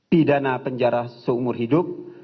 pidana penjara seumur hidup